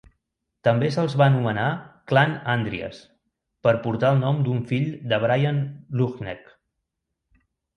També se'ls va anomenar Clann Andrias, per portar el nom d'un fill de Brian Luighnech.